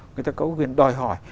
người ta có quyền đòi hỏi